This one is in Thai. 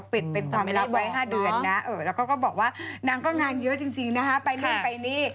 ปิดเป็นความลับไว้๕เดือนนะแล้วก็บอกว่านางก็งานเยอะจริงนะฮะไปนู่นไปนี่